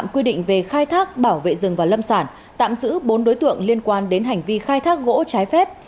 quy định về khai thác bảo vệ rừng và lâm sản tạm giữ bốn đối tượng liên quan đến hành vi khai thác gỗ trái phép